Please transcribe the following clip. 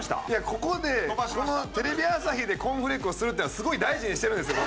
ここでこのテレビ朝日でコーンフレークをするってのはすごい大事にしてるんですよ